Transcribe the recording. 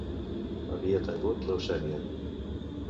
Havia tengut leucèmia.